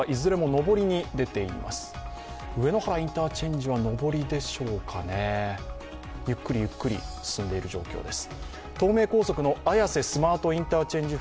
上野原インターチェンジは上りでしょうかね、ゆっくりゆっくり進んでいる状況です。